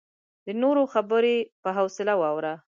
د نورو خبرې په حوصله واوره.